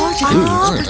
oh seperti ini ceritanya